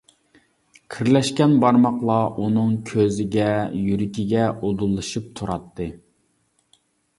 كىرلەشكەن بارماقلار ئۇنىڭ كۆزىگە، يۈرىكىگە ئۇدۇللىشىپ تۇراتتى.